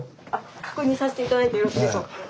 確認さしていただいてよろしいでしょうか？